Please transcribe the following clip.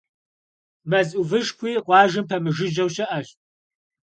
Мэз ӏувышхуи къуажэм пэмыжыжьэу щыӏэщ.